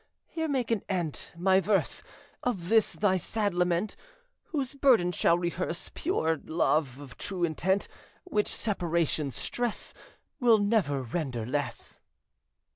Here make an end, my verse, Of this thy sad lament, Whose burden shall rehearse Pure love of true intent, Which separation's stress Will never render less."